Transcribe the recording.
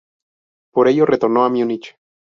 Por ello retornó a Múnich.